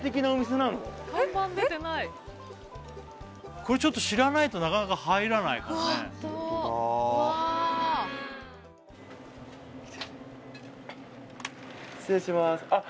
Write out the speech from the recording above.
これちょっと知らないとなかなか入らないかもねホントだうわ失礼しますあっ